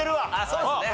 そうですね！